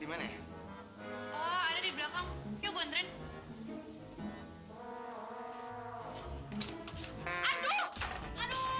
bikin tangan gue kotor aja